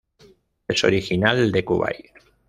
Es original de Kuwait.